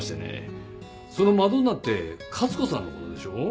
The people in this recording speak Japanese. そのマドンナって勝子さんの事でしょう？